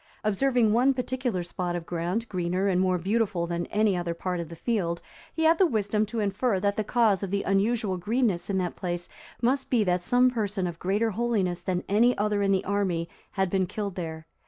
Observing one particular spot of ground greener and more beautiful than any other part of the field, he had the wisdom to infer that the cause of the unusual greenness in that place must be that some person of greater holiness than any other in the army had been killed there.